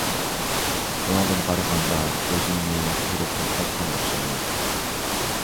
شۇنىڭدىن قارىغاندا ئۆزۈمنى خېلى توختاتقان ئوخشايمەن.